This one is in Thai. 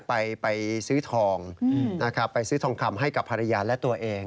ไปซื้อทองนะครับไปซื้อทองคำให้กับภรรยาและตัวเอง